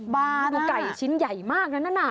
๑๐บาทน่ะโอ้โฮไก่ชิ้นใหญ่มากนั้นน่ะ